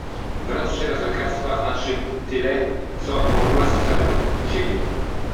Brać teraz lekarstwa znaczy tyle, co okłamywać samego siebie.